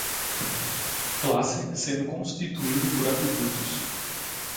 classe, sendo constituído por atributos